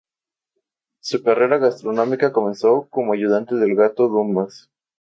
Su carrera gastronómica comenzó como ayudante del Gato Dumas.